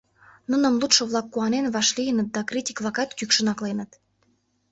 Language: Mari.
Нуным лудшо-влак куанен вашлийыныт да критик-влакат кӱкшын акленыт.